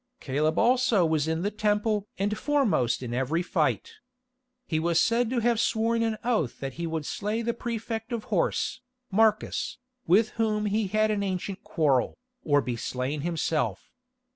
Caleb also was in the Temple and foremost in every fight. He was said to have sworn an oath that he would slay the Prefect of Horse, Marcus, with whom he had an ancient quarrel, or be slain himself.